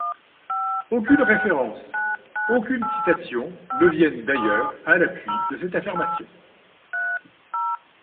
Aucune référence, aucune citation ne viennent d'ailleurs à l'appui de cette affirmation.